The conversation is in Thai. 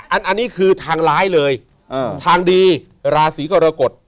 อันนี้คือทางร้ายเลยทางดีราศีกรกฎ